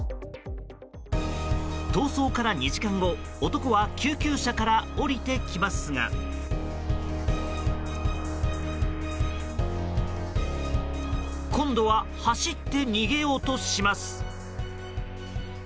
逃走から２時間後男は救急車から降りてきますが今度は走って逃げようとします。